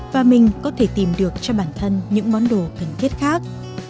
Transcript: và mình có thể tìm được cho bản thân những món đồ cần thiết khác